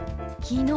「昨日」。